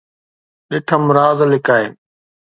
ڏٺم راز لڪائي